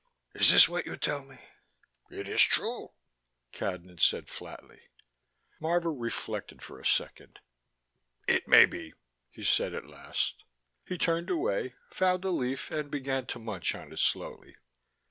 "Is this what you tell me?" "It is true," Cadnan said flatly. Marvor reflected for a second. "It may be," he said at last. He turned away, found a leaf and began to munch on it slowly.